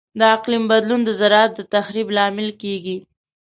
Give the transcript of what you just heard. د اقلیم بدلون د زراعت د تخریب لامل کیږي.